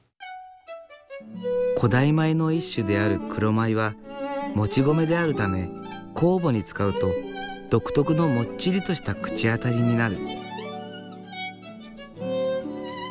古代米の一種である黒米はもち米であるため酵母に使うと独特のもっちりとした口当たりになる。